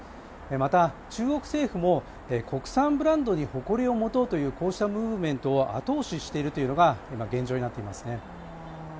また、中国政府も国産ブランドに誇りを持とうというこうしたムーブメントを後押ししているというのが現状になっていますね。